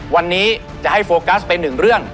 วันนี้จะให้โฟกัสไปหนึ่งเรื่อง